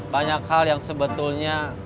banyak hal yang sebetulnya